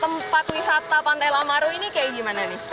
tempat wisata pantai lamaru ini kayak gimana nih